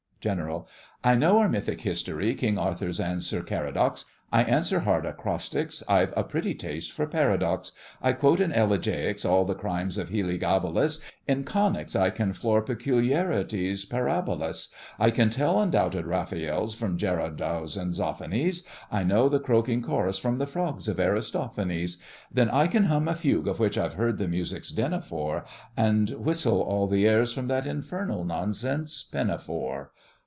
GENERAL: I know our mythic history, King Arthur's and Sir Caradoc's; I answer hard acrostics, I've a pretty taste for paradox, I quote in elegiacs all the crimes of Heliogabalus, In conics I can floor peculiarities parabolous; I can tell undoubted Raphaels from Gerard Dows and Zoffanies, I know the croaking chorus from the Frogs of Aristophanes! Then I can hum a fugue of which I've heard the music's din afore, And whistle all the airs from that infernal nonsense Pinafore.